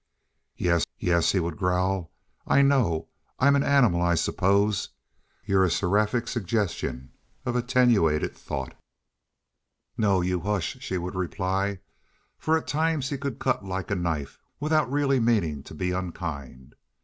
"Yes, yes," he would growl. "I know. I'm an animal, I suppose. You're a seraphic suggestion of attenuated thought." "No; you hush," she would reply, for at times he could cut like a knife without really meaning to be unkind.